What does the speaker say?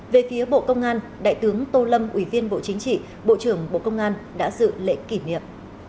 về phía bộ công an đại tướng tô lâm ủy viên bộ chính trị bộ trưởng bộ công an đã dự lễ kỷ niệm